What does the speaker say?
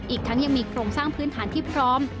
อีกทั้งยังมีโครงสร้างพื้นฐานที่พร้อม